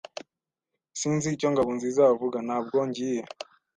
Sinzi icyo Ngabonziza avuga. Ntabwo ngiye.